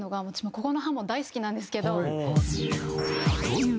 ここのハモ大好きなんですけど。という